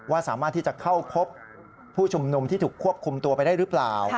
สามารถที่จะเข้าพบผู้ชุมนุมที่ถูกควบคุมตัวไปได้หรือเปล่า